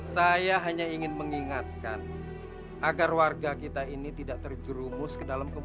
saya nggak ada air pak di rumah